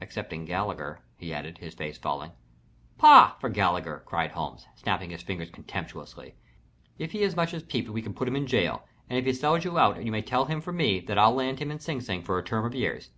"Excepting Gallagher," he added, his face falling. "Pah for Gallagher!" cried Holmes, snapping his fingers contemptuously. "If he as much as peeped we could put him in jail, and if he sells you out you tell him for me that I'll land him in Sing Sing for a term of years.